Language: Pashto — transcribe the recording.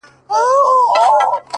بيا نو منم چي په اختـر كي جــادو-